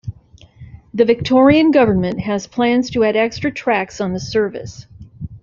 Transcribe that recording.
The Victorian Government has plans to add extra tracks on the service.